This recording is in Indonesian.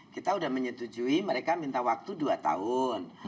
kita sudah menyetujui mereka minta waktu dua tahun